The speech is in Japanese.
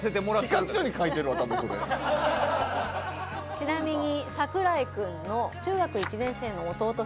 ちなみに。